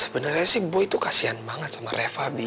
sebenarnya sih boy itu kasian banget sama reva bi